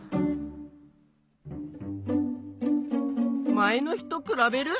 前の日とくらべる？